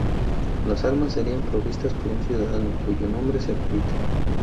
Las armas serían provistas por un ciudadano "cuyo nombre se oculta".